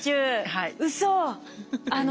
はい。